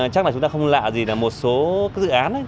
chắc là chúng ta không lạ gì là một số dự án ấy